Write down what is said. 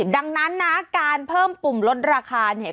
ดังนั้นนะการเพิ่มปุ่มลดราคาเนี่ย